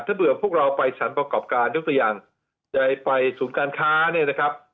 ถ้าเผื่อพวกเราไปสรรประกอบการยกตัวอย่างจะไปศูนย์การค้าเนี่ยนะครับ